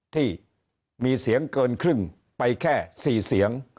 ที่มีเสียงเกินครึ่งไปแค่๔เสียง